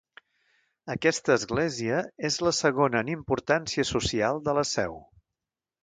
Aquesta Església és la segona en importància social de la Seu.